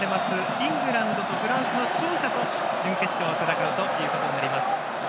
イングランド対フランス戦の勝者と準決勝戦うということになります。